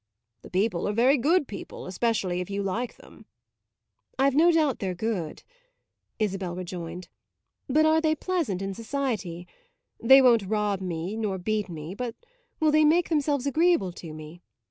"The people are very good people; especially if you like them." "I've no doubt they're good," Isabel rejoined; "but are they pleasant in society? They won't rob me nor beat me; but will they make themselves agreeable to me?